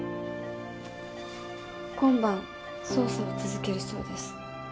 今晩捜査を続けるそうです。